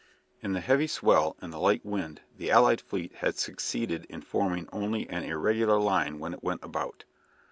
In the heavy swell and the light wind the allied fleet had succeeded in forming only an irregular line when it went about.